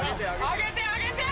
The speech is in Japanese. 上げて上げて！